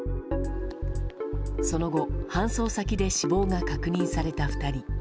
その後、搬送先で死亡が確認された２人。